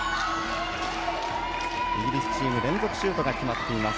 イギリスチーム、連続シュートが決まっています。